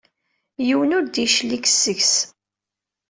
Yiwen ur d-yeclig seg-s.